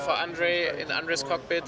saya berhasil untuk andre di kokpit andre